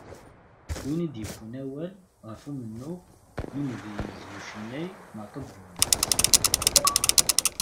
Win i d-yewwin awal ɣef umennuɣ n umedyaz d ucennay Meɛtub Lwennas.